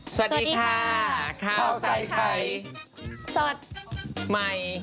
สวัสดีค่ะข้าวใส่ไข่สดใหม่